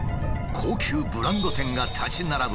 高級ブランド店が立ち並ぶ